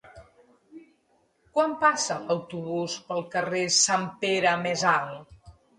Quan passa l'autobús pel carrer Sant Pere Més Alt?